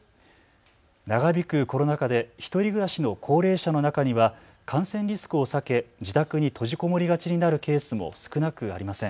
長引くコロナ禍で１人暮らしの高齢者の中には感染リスクを避け自宅に閉じこもりがちになるケースも少なくありません。